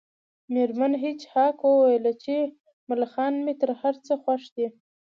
میرمن هیج هاګ وویل چې ملخان مې تر هر څه خوښ دي